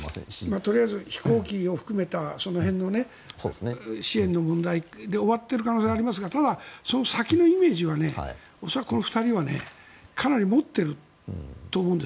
とりあえず飛行機を含めたその辺の支援の問題で終わっている可能性もありますがただ、その先のイメージは恐らくこの２人はかなり持っていると思うんです。